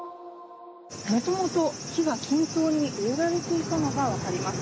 元々、木が均等に植えられていたのがわかります。